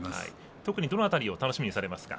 特にどの辺りを楽しみにされますか？